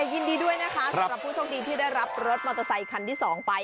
ยินดีด้วยนะคะสำหรับผู้โชคดีที่ได้รับรถมอเตอร์ไซคันที่๒ไป